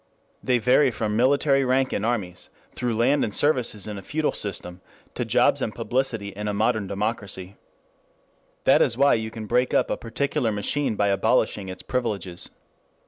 They vary from military rank in armies, through land and services in a feudal system, to jobs and publicity in a modern democracy. That is why you can breakup a particular machine by abolishing its privileges.